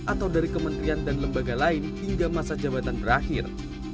atau dari kementerian dan lembaga lain hingga masa jabatan berakhir